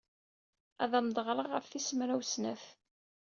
Ad am-d-ɣreɣ ɣef tis mraw snat.